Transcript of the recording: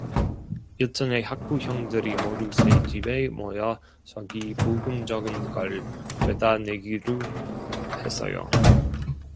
일전에 학부형들이 모두 새 집에 모여 서기 부금 적은 걸 죄다 내기루 했어요.